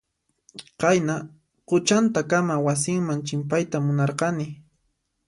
Qayna quchantakama wasinman chimpayta munarqani.